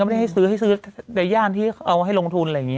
ไม่ได้ให้ซื้อให้ซื้อในย่านที่เอาให้ลงทุนอะไรอย่างนี้